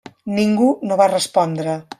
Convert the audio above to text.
Ningú no va respondre.